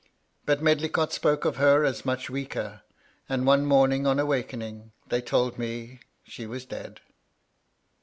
But Medlicott spoke of her as much weaker ; and one morning on 'awakening, they told me she was dead.